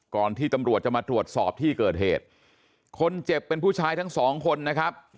ที่ตำรวจจะมาตรวจสอบที่เกิดเหตุคนเจ็บเป็นผู้ชายทั้งสองคนนะครับ